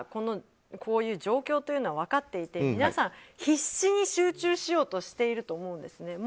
こういう状況というのは分かっていて皆さん、必死に集中しようとしていると思うんですね。